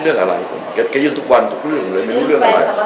เรื่องใดไม่ใช่นั่นสิเรื่องอะไรแกยืนทุกวันทุกเรื่องเลยไม่รู้เรื่องอะไร